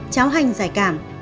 cháo hành giải cảm